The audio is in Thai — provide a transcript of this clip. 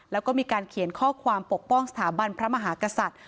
แล้วก็มีการเขียนข้อความปกป้องสถาบันพระมหากษัตริย์